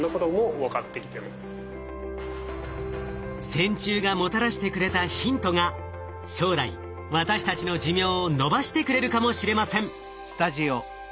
線虫がもたらしてくれたヒントが将来私たちの寿命を延ばしてくれるかもしれません。